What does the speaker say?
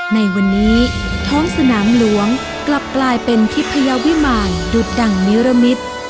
ในวันนี้ท้องสนามหลวงกลับกลายเป็นทิพยาวิมารดุดดั่งนิรมิตร